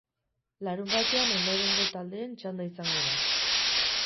Larunbatean, ondorengo taldeen txanda izango da.